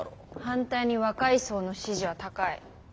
反対に若い層の支持は高い。